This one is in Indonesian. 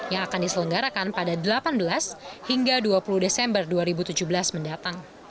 yang akan diselenggarakan pada delapan belas hingga dua puluh desember dua ribu tujuh belas mendatang